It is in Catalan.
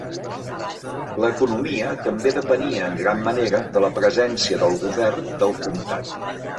L'economia també depenia en gran manera de la presència del govern del comtat.